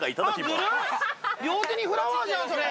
両手にフラワーじゃんそれ。